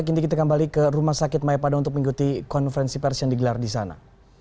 kini kita kembali ke rumah sakit mayapada untuk mengikuti konferensi pers yang digelar di sana